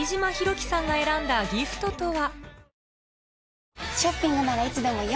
騎さんが選んだギフトとは？